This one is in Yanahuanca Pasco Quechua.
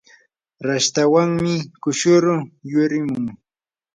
rashtawanmi kushuru yurimun.